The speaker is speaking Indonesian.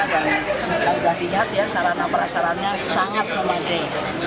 dan kita sudah lihat ya sarana prasarannya sangat memadai